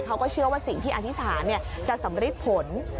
เขาก็เชื่อว่าสิ่งที่อธิษฐานจะสำริดผล